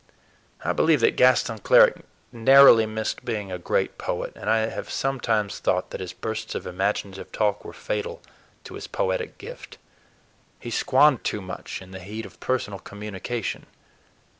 I believe that Gaston Cleric narrowly missed being a great poet, and I have sometimes thought that his bursts of imaginative talk were fatal to his poetic gift. He squandered too much in the heat of personal communication.